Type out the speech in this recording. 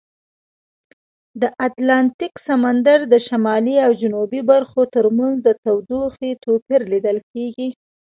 د اتلانتیک سمندر د شمالي او جنوبي برخو ترمنځ د تودوخې توپیر لیدل کیږي.